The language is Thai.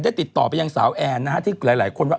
ติดต่อไปยังสาวแอนนะฮะที่หลายคนว่า